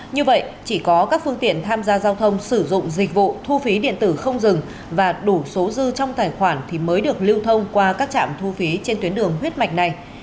như vậy chỉ có các phương tiện tham gia giao thông sử dụng dịch vụ thu phí điện tử không dừng và đủ số dư trong tài khoản thì mới được lưu thông qua các trạm thu phí trên tuyến đường huyết mạch này